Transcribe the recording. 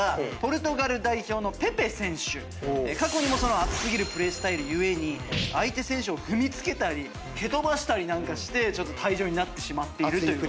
過去にもその熱過ぎるプレースタイル故に相手選手を踏みつけたり蹴飛ばしたりなんかして退場になってしまっているという。